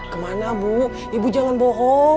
kemana bu ibu jangan bohong